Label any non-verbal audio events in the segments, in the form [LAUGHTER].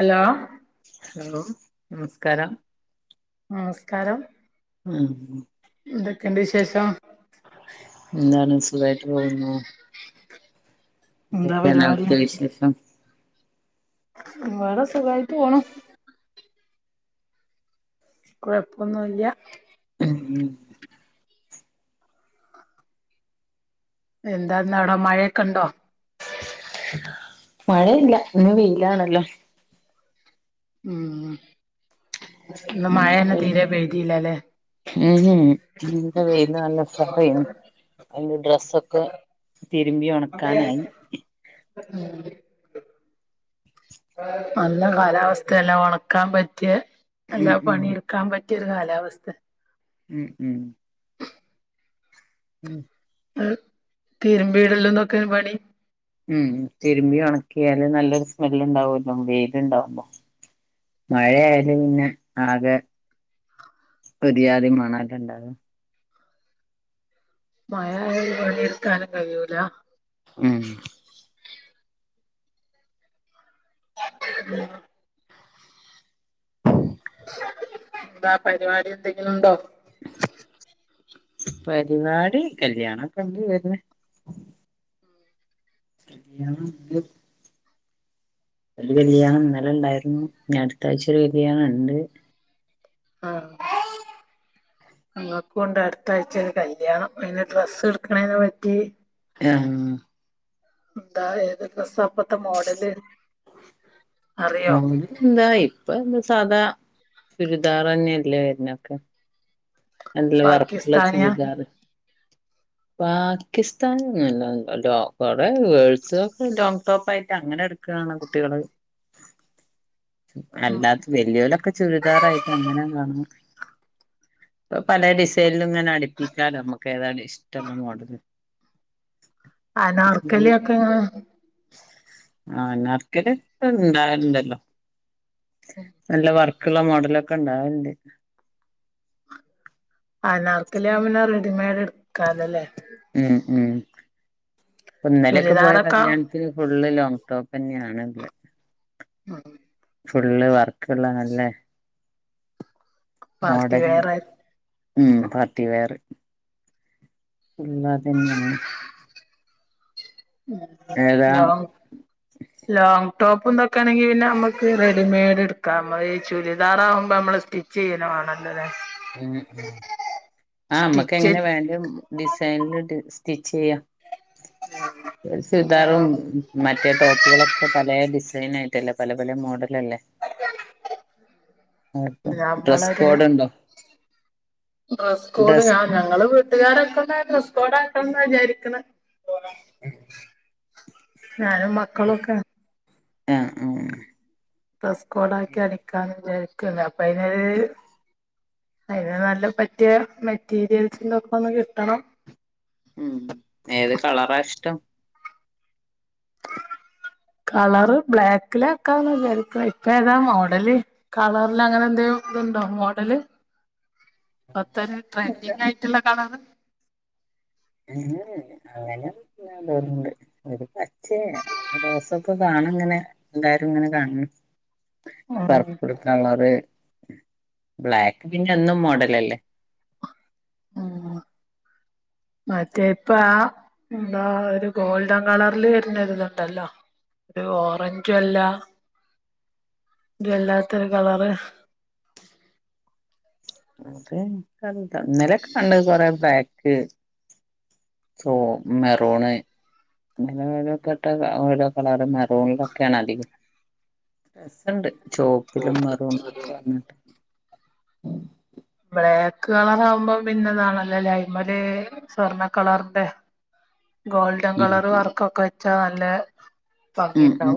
Hello hello നമസ്കാരം നമസ്കാരം മ് ന്തൊക്കെണ്ട് വിശേഷം? ന്താണ് സുഖായിട്ട് പോകുന്നു. [INAUDIBLE] എന്താ പരിപാടി എന്തൊക്കെയാണവിട്ത്തെ വിശേഷം വടെ സുഖായിട്ട് പോണു. കുഴപ്പൊന്നുംല്ല്യ. ഉം ഉം എന്താന്നവ്ടെ മഴയൊക്കെണ്ടോ? മഴയില്ല, ഇന്ന് വെയിലാണല്ലോ ഉം ന്ന് മഴേന്നെ തീരെ പെയ്തില്ല ഉം ഹും ഇന്ന് വെയ്ല് നല്ല [UNINTELLIGIBLE] അതൊണ്ട് ഡ്രെസ്സൊക്കെ തിരുമ്പി ഉണക്കാനായി [UNINTELLIGIBLE] നല്ല കാലാവസ്ഥയല്ലാ ഉണക്കാൻ പറ്റിയ ഉം എല്ലാ ഉം പണി ക്കാൻ പറ്റിയൊരു കാലാവസ്ഥെ ഉം ഉം ഉം ഉം തീരുമ്പീടലും തൊക്കെനി പണി ഉം തിരുമ്പി ഉണക്കിയാല് നല്ലൊരു സ്മെല് ഉണ്ടാവുമല്ലോ വെയില് ണ്ടാവുമ്പോ മഴയായാല് പിന്നെ ആകെ ഒരിയാതി മണെല്ലേ ഇണ്ടാവ മഴായാല് ഒരുപണിട്ക്കാനും കഴിയൂല ഉം എത്താ ന്താ പരിപാടി എത്തെങ്കിലും ഉണ്ടോ പരിപാടി കല്യാണൊക്കെ ഉണ്ട് വരുന് [UNINTELLIGIBLE] ഒരു കല്യാണം ഇന്നല ഇണ്ടായിരുന്നു അടുത്ത ആഴ്ച ഒരു കല്യാണം ഇണ്ട് ഞങ്ങക്കും ഇണ്ട് അടുത്ത ആഴ്ച ഒരു കല്യാണം അതിന് ഡ്രസ്സ് എടുക്കണേനെ പറ്റി ആഹ് എന്താ ഏത് ഡ്രസ്റ്റാ ഇപ്പത്തെ മോഡല് അറിയോ മോ എന്താ ഇപ്പൊ എന്താ സാധാ ചുരിദാർ തന്നെയല്ലേ വരണ് ഒക്കെ എല്ല വർക്ക് ള്ളെ പാകിസ്ഥാനിയാ ചുരിദാറ് പാക്കിസ്ഥൻന്നൊന്നും അല്ലാ കൊറെ ഗേൾസ [UNINTELLIGIBLE] തോപ്പായിട്ട് അങ്ങനെ എടുക്കുകാണ് കുട്ടികള് അല്ലാത്ത വല്യോലൊക്കെ ചുരിദാറായിട്ട് അങ്ങനെ കാണുന്നു ഇപ്പം പലെ ഡിസൈനിലും ഇങ്ങനെ അടുപ്പിക്കാലോ നമുക്ക് ഏതാ ഇഷ്ടമുള്ള മോഡല് അനാർക്കലി ആഹ് ഒക്കെ അനാർക്കലി ഒക്കെ ഇണ്ടാല്ണ്ടല്ലോ നല്ല വർക്കുള്ള മോഡലൊക്കെ ഉണ്ടാവലുണ്ട് അനാർക്കലി ആവുമ്പോ റെഡിമെയ്ഡ് എടുക്കാലോ ഉം ഉം ഇപ്പം ഇന്നലൊക്കെ പോയ ചുരിദാറൊക്കെ കല്യാണ ഇപ്പയ്ന് ഫുള്ള് ലോങ് ടോപ്പ് എന്നെയാണല്ലോ ഉം ഫുള്ള് വർക്ക്ള്ള നല്ലേ പാർട്ടി മോഡൽ ല് വെയർ ആയിരുന്നു. ഉം പാർട്ടി വെയർ ഫുള്ള് അതന്നെയാണ് ഉം ഏതാ ഹലോ ലോങ് ടോപ്പ്ന്തൊക്കെയാണെങ്കിൽ പിന്നെ നമ്മുക്ക് റെഡിമെയ്ഡ് ഇട്ക്കാം ഈ ചുരിദാറാവുമ്പോ നമ്മള് സ്റ്റി ചെയ്യന്നെ മാണല്ലൊലേ ഉം ഉം ആഹ് നമ്മക്ക് സ്റ്റിച്ച് എങ്ങനെ വേണ്ട ഡിസൈനില് സ്റ്റിച്ച് ചെയ്യാം സുതാറും മറ്റേ ടോപ്പുകളൊക്കെ പല ഡിസൈൻ ആയിട്ടല്ലെപ്പൊ പല പല മോഡലല്ലേ പ്പ ഡ്രസ്സ് നമ്മളൊരു കോഡ് ഉണ്ടോ ഡ്രസ്സ്കോഡ് ഡ്രസ് ആഹ് ഞങ്ങള് വീട്ടുകാരൊക്കെ ഡ്രസ്സ് കോഡ് ആക്കണന്നാ വിചാരിക്കണ് ഞാനും മക്കളൊക്കെ ആഹ് ആഹ് ഉം ഡ്രസ്സ് കോഡാക്കി അടിക്കാൻ വിചാരിക്ക്ണ്ട് അപ്പൊ അയിനൊരു അതിന് നല്ല പറ്റിയ മെറ്റീരിയൽസ് ഇന്തൊക്കെ ഒന്ന് കിട്ടണം ഉം ഏത് കളറാ ഇഷ്ടം കളറ് ബ്ലാക്കില ആക്കന്ന് വിചാരിക്ക ഇപ്പ ഏതാ മോഡല് കളറില് അങ്ങനെ എന്തേ ഇതുണ്ടോ മോഡല് പത്തര ട്രെൻഡിങ് ആയിട്ടുള്ള കളറ് ഉം അങ്ങനെയൊന്നും ഇല്ലാന്നാതോന്നണ്ട് ഒരു പച്ചേ ദിവസൊക്കെ കാണും ഇങ്ങനെ എല്ലാവാരും ഇങ്ങനെ കാണണം ആഹ് പർപ്പിൾ കളറ് ബ്ലാക്ക് പിന്നെ എന്നും മോഡലല്ലേ ഉം മറ്റേ ഇപ്പാ എന്താ ഒരു ഗോൾഡൻ കളറില് വരുന്ന ഒരിതുണ്ടല്ലോ ഒരു ഓറഞ്ചും അല്ല ഇത് വല്ലാത്തൊരു കളറ് അത് ഇൻക്കറീല ഇന്നലെ ഒക്കെ കണ്ടത് കൊറേ ബ്ലാക്ക് സോ മെറൂണ് നപ്പെട്ട ഓരോ കളറ് മെറൂണിലൊ ഒക്കെയാണ് അധികവും ഡ്രസ്സ് ണ്ട് ചുവപ്പിലും മെറൂണിലൊക്കെ വെരണ് ണ്ട് ഉം ബ്ലേക്ക് കളറാവുമ്പോം പിന്നെതാണല്ലോലെ ഐമല് സ്വർണ്ണ കളറിന്റെ ഗോൾഡൻ ഉം കളറ് വർക്കൊക്കെ വെച്ചാ നല്ലെ ഉം ഉം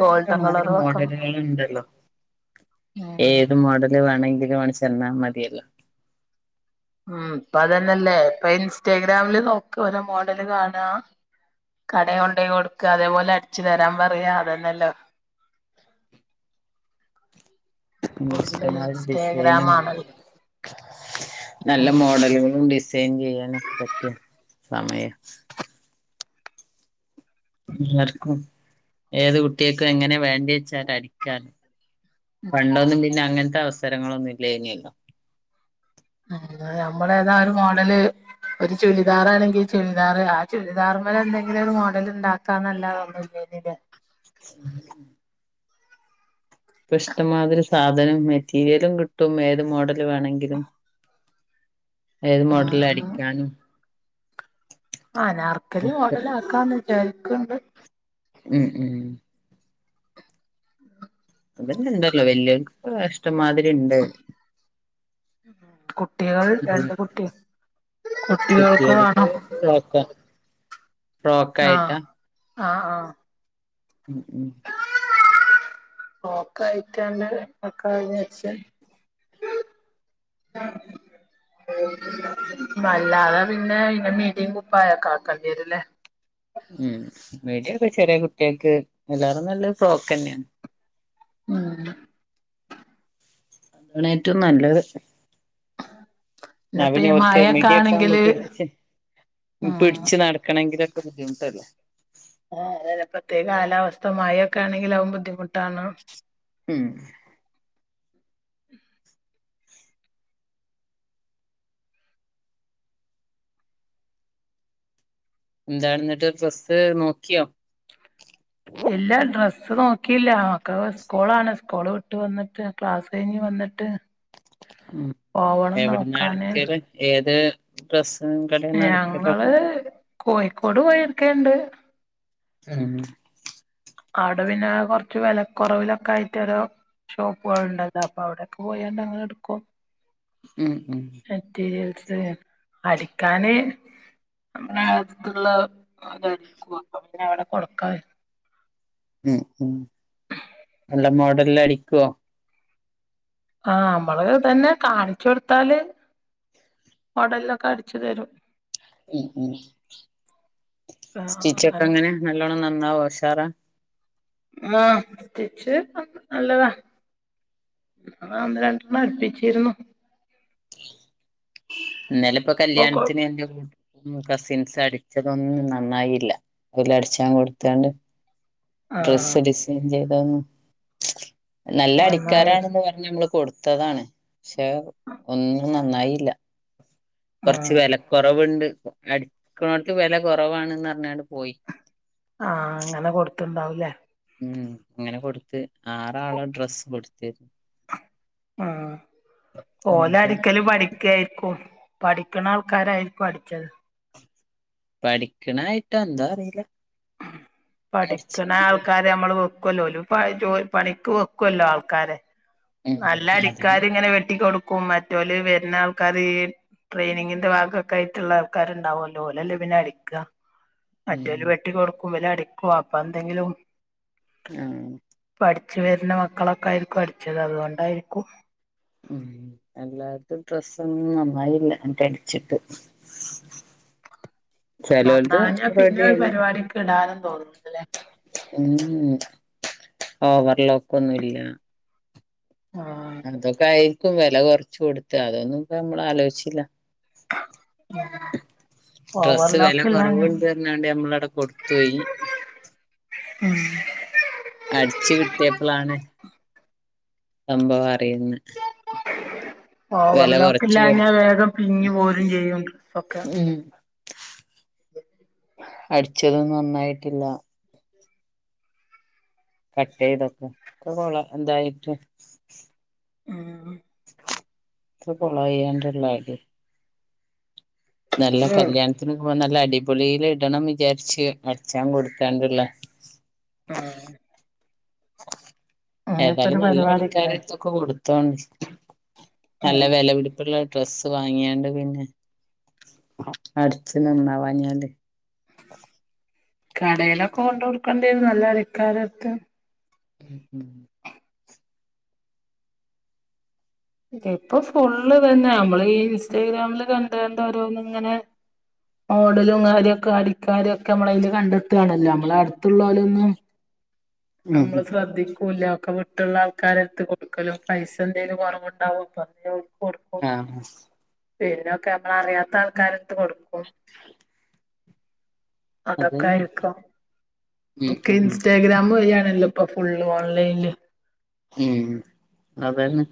ഗോൾഡൻ കളർ ഇഷ്ടമാതിരി വെക്കണം മോഡല്കള്ണ്ടല്ലോ ഉം ഏത് മോഡല് വേണങ്കിലും ആണ്ട് ചെന്നാൽ മതിയല്ലോ ഉം ഇപ്പ അതന്നെയല്ലേ ഇപ്പ ഇൻസ്റ്റാഗ്രാമില് നോക്ക ഓരോ മോഡല് കാണാ കടെ കൊണ്ടോയ് കൊട്ക്ക അതേപോലെ അടിച്ചു തരാൻ പറയാ അതന്നല്ലോ ഫുള്ള് ഇഷ്ടമാതി ഇൻസ്റ്റാഗ്രാം ഡിസൈനും ആണല്ലോ നല്ല ഉം മോഡലുകളും ഡിസൈൻ ചെയ്യാനൊക്കെ പറ്റിയ സമയ എല്ലാർക്കും ഏത് കുട്ട്യോക്ക് എങ്ങനെ വേണ്ട്യേച്ചാല് അടിക്കാനും പണ്ടൊന്നും പിന്നെ അങ്ങനത്തെ അവസരങ്ങളൊന്നും ഇല്ലേന്യല്ലോ ഉം ഞമ്മളെ ഏതാ ഒരു മോഡല് ഒരു ചുരിദാറാണങ്കിൽ ചുരിദാറ് ആ ചുരിദാറ്മലന്തെങ്കിലും ഒരു മോഡൽ ഇണ്ടാക്ക ക്ക നല്ലാതെ ഒന്നുല്ലേനില്ലേ [UNINTELLIGIBLE] ഇപ്പ ഇഷ്ടമാതിരി സാധനം മെറ്റീരിയലും കിട്ടും ഏത് മോഡല് വേണങ്കിലും ഏത് മോഡല ആഹ് അടിക്കാനും ആനാർക്കലി ഒക്കെ മോഡല് ആക്കാന്ന് വിചാരിക്ക്ണ്ട് ഉം ഉം [UNINTELLIGIBLE] അതന്നെണ്ടല്ലോ വല്ല്യേൽക്ക് ഇഷ്ടമാതിരി ഇണ്ട് കുട്ടികൾ രണ്ട് കുട്ടി കുട്ടികൾക്ക് ഫ്രോക്ക് ആഹ് ഫ്രോക്കായിട്ടാ ആഹ് ആഹ് ഉം ഉം [INAUDIBLE] ഫ്രോക്കായിട്ടാണ്ട് മക്കള് [INAUDIBLE] [UNINTELLIGIBLE] [INAUDIBLE] അല്ലാതെ പിന്നെ ഇങ്ങനെ മിടീം കുപ്പായക്കേ ആക്കോണ്ടിവരുല്ലേ ഉം മിടിയെക്കെ ചെറിയ കുട്ട്യോക്ക് അയ്ലേറെ നല്ലത് ഫ്രോക്കന്നെ ആണ് ഉം അതാണ് ഏറ്റവും നല്ലത് ന്നാ പിന്നെപ്പ പിന്നെ ഈ ഒൽക്ക് മഴൊക്കെ മിടിയെക്കെ ആകുമ്പോ ആണെങ്കില് പിടിച്ച് ഉം പിടിച്ച് നടക്കണങ്കിലൊക്കെ ബുദ്ധിമുട്ടല്ലേ ആഹ് ഇപ്പത്തെ കാലാവസ്ഥ മഴക്കെ ആണങ്കിൽ അതും ബുദ്ധിമുട്ടാണ് ഉം [UNINTELLIGIBLE] എന്താന്നിട്ട് ഡ്രസ്സ് നോക്ക്യോ ഇല്ലാ ഡ്രസ്സ് നോക്കിയില്ല മക്കൾ സ്കൂളാണ് സ്കൂള് വിട്ട് വന്നിട്ട് ക്ലാസ് കഴിഞ്ഞ് വന്ന് ട്ട് ഉം പോവണം എവിടുന്നാ നോക്കാന് എടുക്കല് ഏത് ഡ്രസ്സ് കടെന്നാ എടുക്കൽ ഒക്കെ ഞങ്ങള് കോഴിക്കോട് പോയിട്ക്കേണ്ട് ഉം ആടെ പിന്നെ കൊറച്ച് വെലക്കെറവിലൊക്കെ ആയിട്ട് ഓരോ ഷോപ്പുകള്ണ്ടല്ലേ അപ്പൊ അവിടെക്കെ പോയണ്ട് അങ്ങനെടുക്കും ഉം ഉം മെറ്റീരിയൽസ് അടിക്കാന് [INAUDIBLE] നമ്മളെ അടുത്തുള്ള [INAUDIBLE] അപ്പ അവിടെ കൊടുക്കാ ഉം ഉം നല്ല മോഡല് അടികുവോ ആഹ് നമ്മള് ഇതന്നെ കാണിച്ച് കൊടുത്താല് മോഡല് ലെക്കെ അടിച്ചു തരും ഉം ഉം ആ സ്റ്റിച്ച് ഒക്കെ അങ്ങനെ എങ്ങന നല്ലോണ്ണം നന്നാവുമോ എല്ലാം ഉഷാറാ ആഹ് സ്റ്റിച്ചിം നല്ലതാ ന്നാ ഒന്ന് രണ്ടെണ്ണം അടുപ്പിച്ചിരുന്നു ഇന്നലെപ്പോ ഇപ്പൊ കൊ കല്യാണത്തിന് [INAUDIBLE] ഉ കസിൻസ് അടിച്ചതൊന്നും നന്നായില്ല ഊര് അട്ച്ചാൻ കൊട്ത്താണ്ട്. ആ ഡ്രസ്സ് ഡിസൈൻ ചെയ്തതൊന്നും [INAUDIBLE] നല്ല നന്നായി അടിക്കാരാണന്ന് പ ഞമ്മള് കൊടുത്തതാണ് പക്ഷെ ഒന്നും നന്നായില്ല. ആ കൊറച്ച് വെലക്കൊറവുണ്ട് അട്ക്ക്ണോട്ത്ത് വെല കൊറവാണന്ന പറഞ്ഞുകാണ്ട് പോയി. ആ അങ്ങനെ കൊട്ത്ത്ണ്ടാവൂലേ ഉം അങ്ങനെ കൊട്ത്ത് ആറാളെ ഡ്രസ്സ് കൊട്ത്ത്. ആഹ് ഓല എന്നിട്ട് അടിക്കല് പഠിക്കായിരിക്കും. പഠിക്കണാൾക്കാരായിര്ക്കും അടിച്ചത് പഠിക്കണായിട്ട ന്താ അറിയില്ല പഠിക്കണ അടിച്ചാണ്ട് ആൾക്കാരെ മ്മള് വെക്കല്ലോ ഓല് പണിക്ക് വെക്കല്ലോ ആൾക്കാരെ ഉം നല്ല അതാണ് അടിക്കാര് അവരെ ങ്ങനെ വെട്ടി കൊടുക്കും മറ്റോല് വര്ന്ന ആൾക്കാര് ട്രെയിനിങ്ങിന്റെ ഭാഗമായിട്ടുള്ള ആൾക്കാരുണ്ടാവുല്ലോ ഓലല്ലേ പിന്നെ അടിക്ക. ഉം മറ്റോല് വെട്ടി കൊടുക്കും ഇവര് അടിക്കു അപ്പന്തെങ്കിലും ആഹ് ഇച്ച് വര്ണ മക്കളൊക്കായിരിക്കും അടിച്ചത് അതുകൊണ്ടായിരിക്കും ഉം എല്ലാരതും ഡ്രസ്സൊന്നും നന്നായില്ല ന്ന്ട്ട് അടിച്ച്ട്ട് ച്ചെലോൽത് നന്നാഞ്ഞാ പിന്നെ റെഡി ഒരു ആയിണ്. പരിപാടിക്ക് ഇടാനും തോന്നുന്ന്ണ്ട്ത് ല്ലേ ഉം ഓവർലോക്ക് ഒന്നുല്ല ആഹ് അതൊക്കായിരിക്കും വെല കൊർച്ച് കൊട്ത്തെ അതൊന്നും പ്പ നമ്മൾ ആലോയ്ചില. ഡ്രസ്സ് വെല ഓവർലോക്ക് ഇല്ലാഞ്ഞ കൊറവ്ണ്ട്റഞ്ഞാണ്ട് നമ്മളവ്ടെ കൊട്ത്തോയി. ഉം അടിച്ച് കിട്ടിയപ്പളാണ് സംഭവ അറിയ്ന്നെ ഓവർ ലോക്ക്ല്ലാഞ്ഞാ കൊടുക്ക വേഗം പിഞ് പോരും ചെയ്യും ഒക്കെ ഉം അടിച്ചതും നന്നായിട്ടില്ല. കട്ടെയ്തപ്പൊ ക്കെ കൊള എന്തായിട്ട് ഉം ഉം ത്ര കൊളായ്യാണ്ട്ള്ളത് നല്ല ഉം കല്യാണത്തിന് പ്പൊ നല്ല അടിപൊളില് ടണം വിചാരിച്ച് അടിച്ചാൻ കൊട്ത്താണ്ട്ള്ള ആഹ് ഏതായാലും ഒരു നല്ല പരിപാടിക്കണേ അടിക്കാരെട്തും കൊട്ത്തോ നല്ല ഉം വെല പിടി പ്പ്ള്ള ഡ്രസ്സ് വാങ്ങിയാണ്ട് പിന്നെ അടിച്ച് നന്നാവാഞ്ഞാല് കടെലൊക്കെ കൊണ്ടോട്ക്കെണ്ടിയരും നല്ല അടിക്കാരട്ത്. ഉം ഇപ്പൊ ഫുള്ള് ഇതന്നെ നമ്മള് ഈ ഇൻസ്റ്റാഗ്രാമില് കണ്ട്കണ്ട് ഓരോന്ന് ങ്ങനെ മോടലും കാര്യൊക്കെ അടിക്കാരൊക്കെ നമ്മളയില് കണ്ടെത്താണല്ലോ നമ്മളെ അട് ത്ത്ല്ലോലൊന്നും അമ്മള് ഉം ശ്രദ്ധിക്കുല്ല ഒക്കെ വി ട്ട്ള്ള ആൾക്കാരെട്ത്ത് കൊട്ക്കെലും പൈസ ന്തെലും കൊറവ്ണ്ടാവും [UNINTELLIGIBLE] കൊട്ക്കും ആഹ് പിന്നൊക്കെ നമ്മളറിയാത്ത ആൾക്കാരട്ത്ത് കൊട് അതന്നെ അതൊക്കായിരിക്കും ഉം ഒക്കെ ഉം ഇൻസ്റ്റാഗ്രാമ് വഴി ആണല്ലോ ഇപ്പൊ ഫുള്ള് ഓൺലൈൻല് ഉം അതന്നെ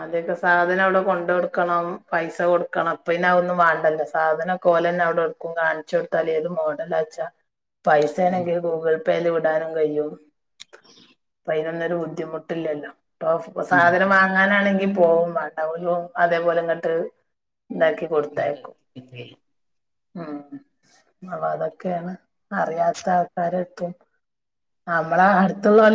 ആദ്യംക്കെ സാധനം അവിടെ കൊണ്ട് കൊടുക്കണം പൈസ കൊടുക്കണം ഇപ്പ ഒന്നും വേണ്ടല്ലോ സാധനം ഒകോലന്നെ അവിടെ ടുക്കും കാണിച്ച് കൊടുത്താല് ഏത് മോഡലാച്ചാ പൈസണെങ്കിൽ ഗൂഗിൾപേയില് വിടാനും കഴിയും അയിനൊന്നരു ബുദ്ധിമുട്ടില്ലല്ലോ ഇപ്പ ഉം സാധനം വ ങ്ങാനാണെങ്കിൽ പോവും വണ്ട ഒരു അതേപോലെ ഇങ്ങട്ട് ന്താക്കി കൊടുത്തയക്കും ഉം ആഹ് അതൊക്കെയാണ് അറിയാത്ത ആൾക്കാരട്ത്തും നമ്മള അടുത്തുള്ളോല്